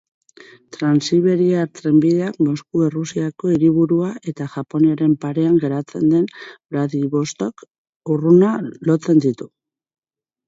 Transiberiar Trenbideak Mosku Errusiako hiriburua eta Japoniaren parean geratzen den Vladivostok hurruna lotzen ditu.